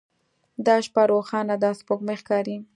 دا شپه روښانه ده سپوږمۍ ښکاري